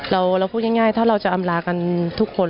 เราพูดง่ายถ้าเราจะอำลากันทุกคน